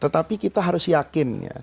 tetapi kita harus yakin